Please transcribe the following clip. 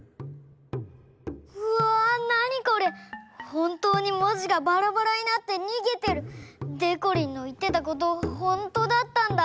ほんとうに文字がバラバラになってにげてる。でこりんのいってたことほんとだったんだ。